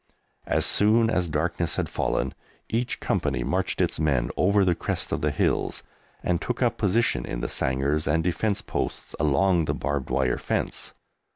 As soon as darkness had fallen each company marched its men over the crest of the hills and took up position in the sangars and defence posts along the barbed wire fence.